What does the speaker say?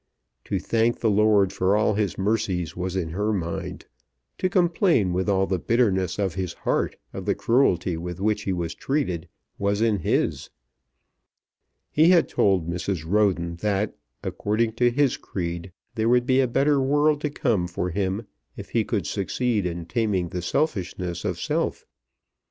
To thank the Lord for all His mercies was in her mind. To complain with all the bitterness of his heart of the cruelty with which he was treated was in his. He had told Mrs. Roden that according to his creed there would be a better world to come for him if he could succeed in taming the selfishness of self.